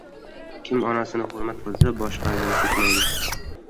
• Kim onasini hurmat qilsa, boshqani so‘kmaydi.